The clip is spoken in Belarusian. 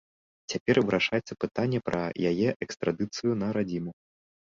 Цяпер вырашаецца пытанне пра яе экстрадыцыю на радзіму.